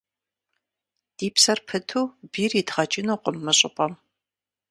Ди псэр пыту бийр идгъэкӏынукъым мы щӏыпӏэм.